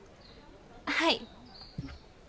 はい。